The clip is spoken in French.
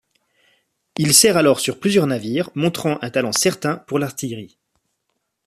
Il sert alors sur plusieurs navires, montrant un talent certain pour l'artillerie.